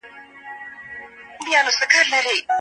د ماشوم تعلیم فقر کموي.